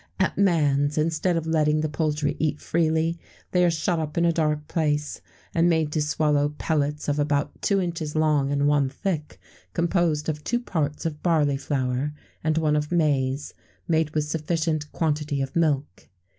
[XVII 80] At Mans, instead of letting the poultry eat freely, they are shut up in a dark place, and made to swallow pellets of about two inches long and one thick, composed of two parts of barley flour, and one of maize, made with sufficient quantity of milk.